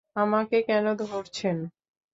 আমাকে কেন ধরছেন?